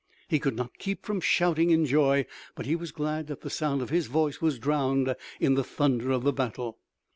He could not keep from shouting in joy, but he was glad that the sound of his voice was drowned in the thunder of the battle.